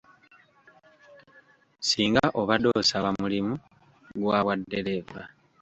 Singa obadde osaba mulimu gwa bwa ddereeva